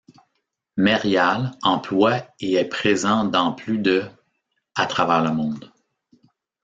Merial emploie et est présent dans plus de à travers le monde.